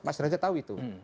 mas raja tahu itu